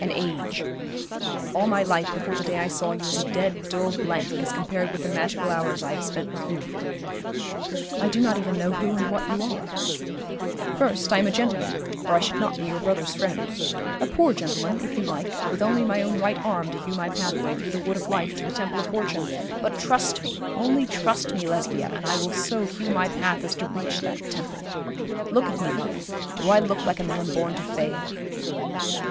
'An age. All my life before the day I saw you is a dead, dull blank as compared with the magical hours I have spent with you.' 'I do not even know who and what you are.' 'First, I am a gentleman, or I should not be your brother's friend. A poor gentleman, if you like, with only my own right arm to hew my pathway through the wood of life to the temple of fortune; but trust me, only trust me, Lesbia, and I will so hew my path as to reach that temple. Look at me, love. Do I look like a man born to fail?'